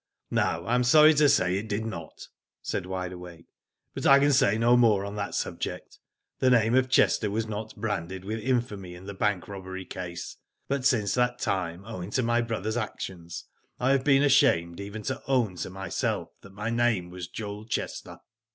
" No, I am sorry to say it did not," said Wide Awake. But I can say no more on that sub ject. The name of Chester was not branded with infamy in the bank robbery case; but since that time, owing to my brother's actions, I have been ashamed even to own to myself that my name was Joel Chester.